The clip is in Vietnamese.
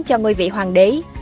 cho ngôi vị hoàng đế